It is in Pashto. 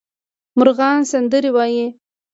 مرغان سندرې وايي